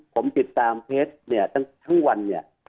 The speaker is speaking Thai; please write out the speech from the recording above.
ผมติดตามเพจทั้งวันนี้